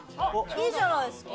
いいじゃないですか。